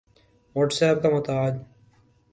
what's app کا متعد